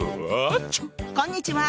あこんにちは！